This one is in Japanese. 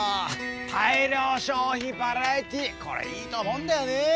大量消費バラエティこれいいと思うんだよね！